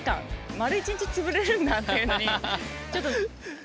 丸１日つぶれるんだっていうのにちょっと。